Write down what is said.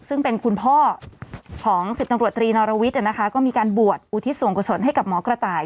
ซึ่งเป็นคุณพ่อของ๑๐ตำรวจตรีนรวิทย์ก็มีการบวชอุทิศส่วนกุศลให้กับหมอกระต่าย